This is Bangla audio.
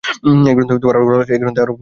এই গ্রন্থে আরও বলা হয়েছে,